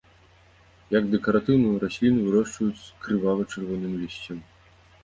Як дэкаратыўную расліну вырошчваюць з крывава-чырвоным лісцем.